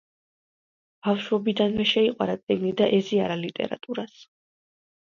ბავშვობიდანვე შეიყვარა წიგნი და ეზიარა ლიტერატურას.